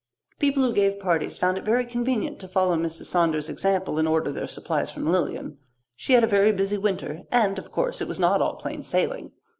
People who gave parties found it very convenient to follow Mrs. Saunders's example and order their supplies from Lilian. She had a very busy winter and, of course, it was not all plain sailing.